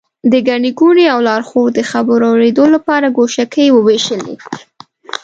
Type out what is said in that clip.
د ګڼې ګوڼې او لارښود خبرو اورېدو لپاره ګوشکۍ ووېشلې.